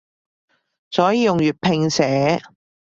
所以用粵拼寫